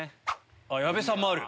矢部さんもある？